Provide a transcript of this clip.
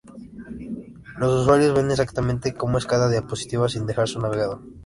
Los usuarios ven exactamente como es cada diapositiva sin dejar su navegador.